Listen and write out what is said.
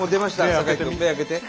坂井君目開けて。